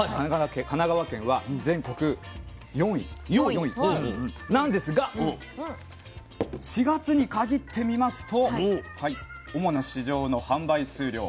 神奈川県は全国４位なんですが４月に限ってみますと主な市場の販売数量